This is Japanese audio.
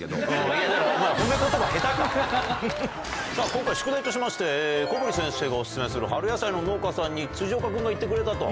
今回宿題としまして小堀先生がオススメする春野菜の農家さんに岡君が行ってくれたと。